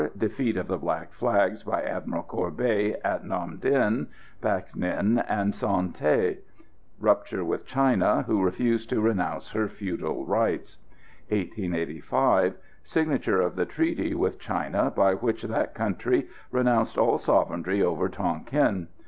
Defeat of the Black Flags by Admiral Courbet at Nam Dinh, Bac Ninh and Son Tay. Rupture with China, who refused to renounce her feudal rights. 1885. Signature of the treaty with China, by which that country renounces all sovereignty over Tonquin.